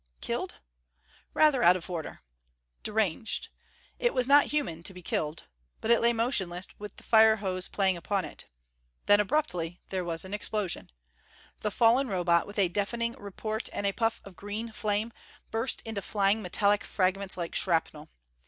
Killed? Rather, out of order: deranged: it was not human, to be killed. But it lay motionless, with the fire hose playing upon it. Then abruptly there was an explosion. The fallen Robot, with a deafening report and a puff of green flame, burst into flying metallic fragments like shrapnel.